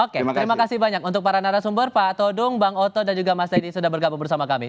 oke terima kasih banyak untuk para narasumber pak todung bang oto dan juga mas teddy sudah bergabung bersama kami